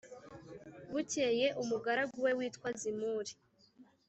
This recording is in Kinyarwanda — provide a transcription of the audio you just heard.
Bukeye umugaragu we witwa Zimuri